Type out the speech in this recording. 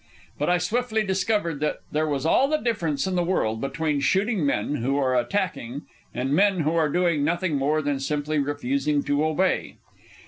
But I swiftly discovered that there was all the difference in the world between shooting men who are attacking and men who are doing nothing more than simply refusing to obey.